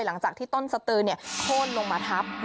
หลังจากที่ต้นสตือโค้นลงมาทับ